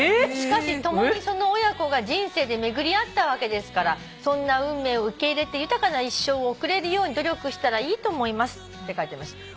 「しかし共にその親子が人生で巡り合ったわけですからそんな運命を受け入れて豊かな一生を送れるように努力したらいいと思います」って書いてあります。